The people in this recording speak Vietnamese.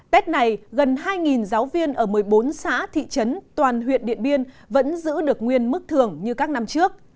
tết này gần hai giáo viên ở một mươi bốn xã thị trấn toàn huyện điện biên vẫn giữ được nguyên mức thường như các năm trước